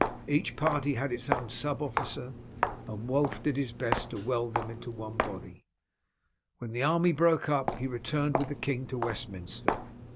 Each party had its own sub officer, and Wulf did his best to weld them into one body. When the army broke up, he returned with the king to Westminster.